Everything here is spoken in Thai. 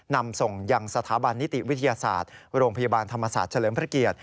นำส่งยังสถาบันนิติวิทยาศาสตร์โรงพยาบาลธรรมศาสตร์เฉลิมพระเกียรติ